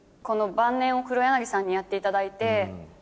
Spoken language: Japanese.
晩年を黒柳さんにやっていただいて。